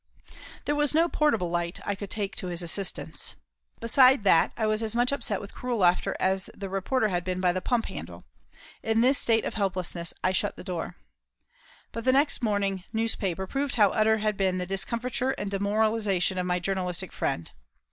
There was no portable light that I could take to his assistance. Beside that, I was as much upset with cruel laughter as the reporter had been by the pump handle. In this state of helplessness I shut the door. But the next morning newspaper proved how utter had been the discomfiture and demoralisation of my journalistic friend.